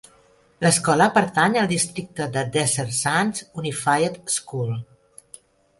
L'escola pertany al districte de Desert Sands Unified School.